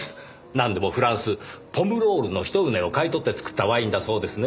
なんでもフランスポムロールのひと畝を買い取って作ったワインだそうですね。